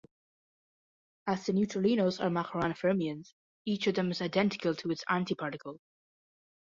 As the neutralinos are Majorana fermions, each of them is identical to its antiparticle.